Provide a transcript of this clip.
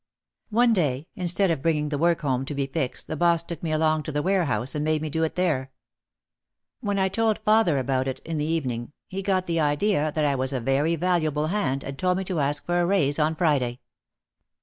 One day, instead of bringing the work home to be fixed the boss took me along to the warehouse and made me do it there. When I told father about it in the even ing he got the idea that I was a very valuable hand and told me to ask for a raise on Friday.